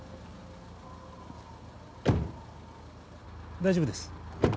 大丈夫です。